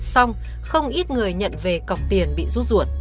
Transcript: xong không ít người nhận về cọc tiền bị rút ruột